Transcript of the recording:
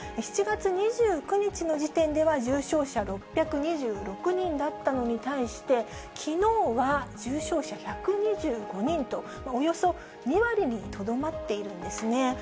７月２９日の時点では、重症者６２６人だったのに対して、きのうは重症者１２５人と、およそ２割にとどまっているんですね。